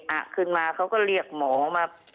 อ่ะขึ้นมาเขาก็เรียกหมอมา